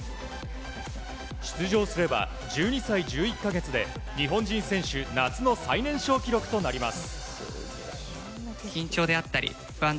出場すれば１２歳１１か月で日本人選手夏の最年少記録となります。